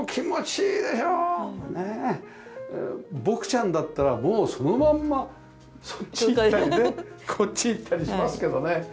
僕ちゃんだったらもうそのまんまそっち行ったりねこっち行ったりしますけどね。